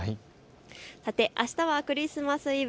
さてあしたはクリスマスイブ。